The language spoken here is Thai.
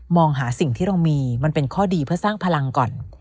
หาสิ่งที่เรามีมันเป็นข้อดีเพื่อสร้างพลังก่อน